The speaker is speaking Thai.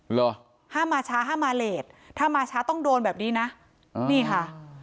เหรอห้ามมาช้าห้ามมาเลสถ้ามาช้าต้องโดนแบบนี้นะนี่ค่ะ